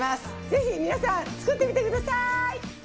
ぜひ皆さん作ってみてください！